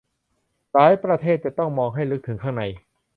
หลายประเทศ จะต้องมองให้ลึกถึงข้างใน